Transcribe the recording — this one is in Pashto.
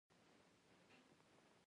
دا ستا دننه او بهر ځواکمن کوي.